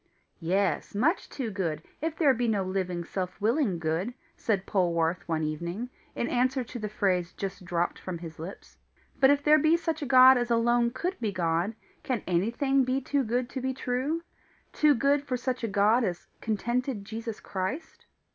"Yes, much too good, if there be no living, self willing Good," said Polwarth one evening, in answer to the phrase just dropped from his lips. "But if there be such a God as alone could be God, can anything be too good to be true? too good for such a God as contented Jesus Christ?"